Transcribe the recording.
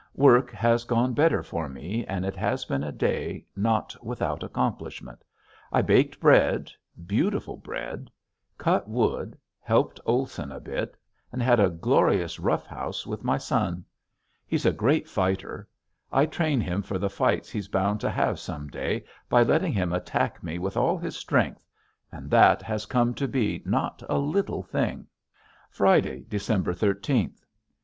Work has gone better for me and it has been a day not without accomplishment. I baked bread beautiful bread, cut wood, helped Olson a bit, and had a glorious rough house with my son. He's a great fighter. I train him for the fights he's bound to have some day by letting him attack me with all his strength; and that has come to be not a little thing. Friday, December thirteenth.